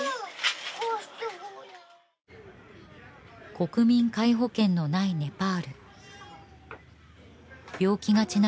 国民皆保険のないネパール病気がちな